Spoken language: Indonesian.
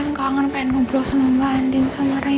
kan kangen pengen ngobrol sama mbak andien sama reina